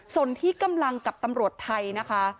ส่วนที่กำลังกับตำรวจไทยนะคะ